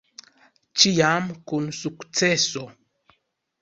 Ĉiam kun sukceso.